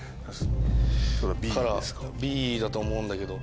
Ｂだと思うんだけど。